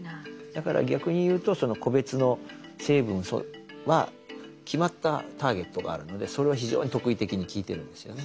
だから逆に言うとその個別の成分は決まったターゲットがあるのでそれは非常に特異的に効いてるんですよね。